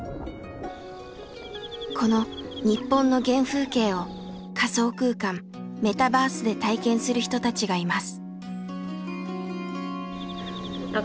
この日本の原風景を仮想空間メタバースで体験する人たちがいます。